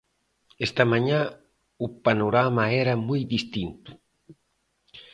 Esta mañá o panorama era moi distinto.